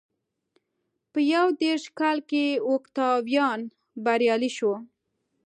په یو دېرش کال کې اوکتاویان بریالی شو.